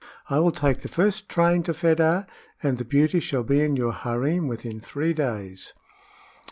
"I will take the first train to Fedah, and the beauty shall be in your harem within three days."